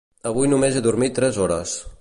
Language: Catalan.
Avui només he dormit tres hores.